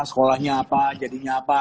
sekolahnya apa jadinya apa